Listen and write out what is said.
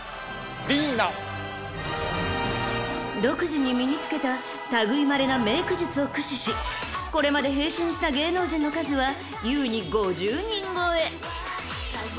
［独自に身に付けた類いまれなメーク術を駆使しこれまで変身した芸能人の数は優に５０人超え］